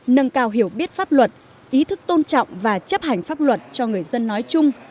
nâng cao hiểu biết pháp luật ý thức tôn trọng và chấp hành pháp luật cho người dân nói chung